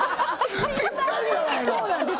ぴったりじゃないのぴったり！